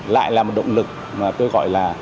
lại là một động lực mà tôi gọi là